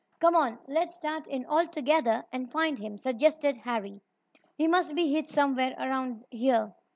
"Come on, let's start in all together and find him," suggested Harry. "He must be hid somewhere around here."